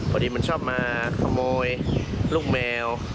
พอดีมันชอบมาขโมยลูกแมว